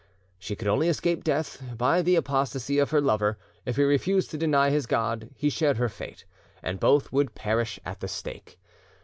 She could only escape death by the apostasy of her lover; if he refused to deny his God, he shared her fate, and both would perish at the stake.